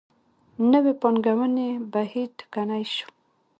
نوې پانګونې بهیر ټکنی شو.